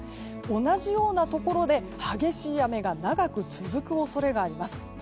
同じようなところで、激しい雨が長く続く恐れがあります。